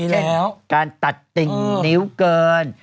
แล้วการตัดติ่งนิ้วเกิน